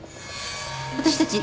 私たち